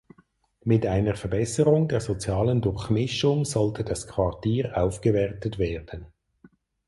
Mit einer Verbesserung der sozialen Durchmischung sollte das Quartier aufgewertet werden.